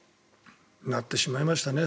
なってしまいましたね